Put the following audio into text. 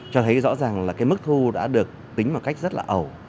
cho thấy rõ ràng là cái mức thu đã được tính một cách rất là ẩu